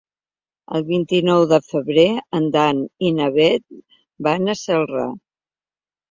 El vint-i-nou de febrer en Dan i na Bet van a Celrà.